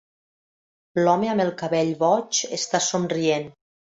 L'home amb el cabell boig està somrient.